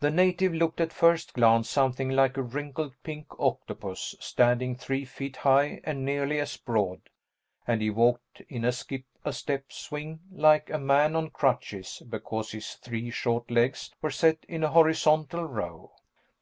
The native looked at first glance something like a wrinkled pink octopus, standing three feet high and nearly as broad, and he walked in a skip a step swing like a man on crutches because his three short legs were set in a horizontal row.